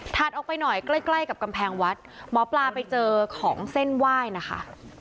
ออกไปหน่อยใกล้ใกล้กับกำแพงวัดหมอปลาไปเจอของเส้นไหว้นะคะ